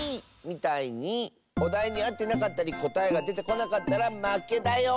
みたいにおだいにあってなかったりこたえがでてこなかったらまけだよ。